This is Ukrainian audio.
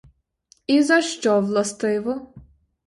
І за що властиво?